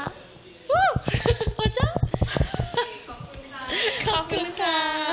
ขอบคุณค่ะ